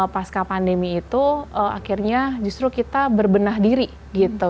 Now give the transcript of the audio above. pasca pandemi itu akhirnya justru kita berbenah diri gitu